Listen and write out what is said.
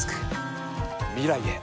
未来へ。